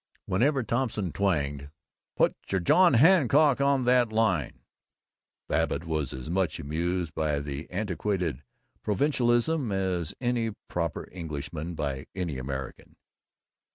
Whenever Thompson twanged, "Put your John Hancock on that line," Babbitt was as much amused by the antiquated provincialism as any proper Englishman by any American.